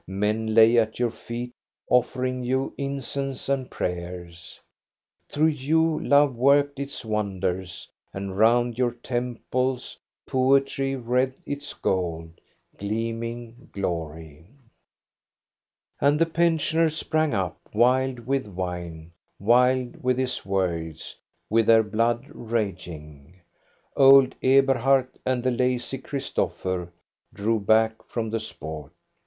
Men lay at your feet, offering you incense and prayers. Through you love worked its wonders, and round your temples poetry wreathed its gold, gleaming glory. And the pensioners sprang up, wild with wine, wild with his words, with their blood raging. Old Eberhard and the lazy Christopher drew back from the sport.